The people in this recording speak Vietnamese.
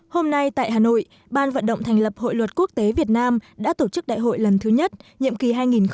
hôm nay tại hà nội ban vận động thành lập hội luật quốc tế việt nam đã tổ chức đại hội lần thứ nhất nhiệm kỳ hai nghìn một mươi sáu hai nghìn một mươi chín